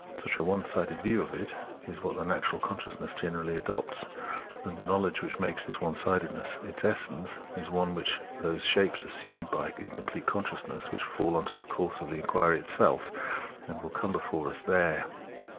Such a one sided view of it is what the natural conscious ness generally adopts ; and a knowledge, which makes this one sidedness its essence, is one of those shapes assumed by incomplete consciousness which falls into the coujse of the inquiry itself and will come before us there.